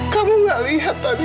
kamu gak lihat tadi